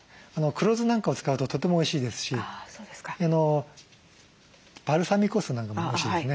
黒酢なんかを使うととてもおいしいですしバルサミコ酢なんかもおいしいですね。